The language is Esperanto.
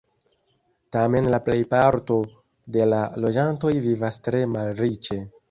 Tamen la plejparto de la loĝantoj vivas tre malriĉe.